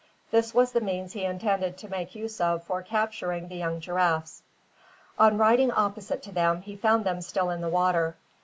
This was the means he intended to make use of for capturing the young giraffes. On riding opposite to them he found them still in the water.